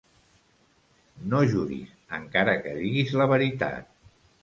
No juris, encara que diguis la veritat.